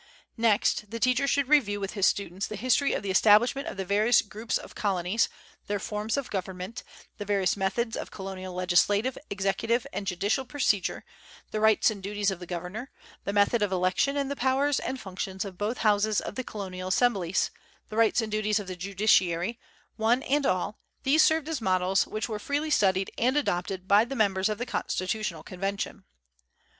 Next, the teacher should review with his students the history of the establishment of the various groups of colonies, their forms of government, the various methods of colonial legislative, executive, and judicial procedure, the rights and duties of the governor, the method of election and the powers and functions of both houses of the colonial assemblies, the rights and duties of the judiciary: one and all, these served as models which were freely studied and adopted by the members of the Constitutional Convention.